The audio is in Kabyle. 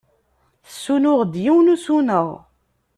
Tessunuɣ-d yiwen usuneɣ.